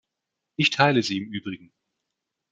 Ich teile sie im Übrigen.